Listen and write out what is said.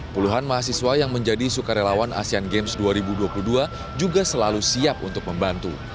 puluhan mahasiswa yang menjadi sukarelawan asean games dua ribu dua puluh dua juga selalu siap untuk membantu